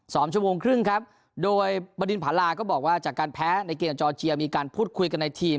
ชั่วโมงครึ่งครับโดยบดินผาลาก็บอกว่าจากการแพ้ในเกมจอร์เจียมีการพูดคุยกันในทีม